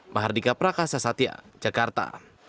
mahardika prakasa satya jakarta